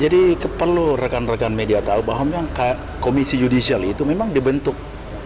jadi keperluan rekan rekan media tahu bahwa komisi judisial itu memang dibentuk